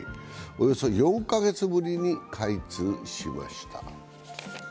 およそ４か月ぶりに開通しました。